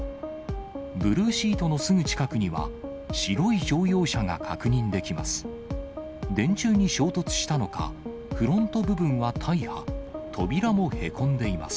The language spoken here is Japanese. ブルーシートのすぐ近くには、白い乗用車が確認できます。